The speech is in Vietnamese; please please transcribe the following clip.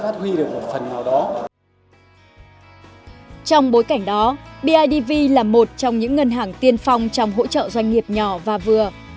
trong bối cảnh đó bidv là một trong những ngân hàng tiên phong trong hỗ trợ doanh nghiệp nhỏ và vừa